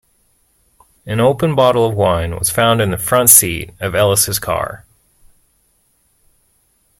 An open bottle of wine was found in the front seat of Ellis' car.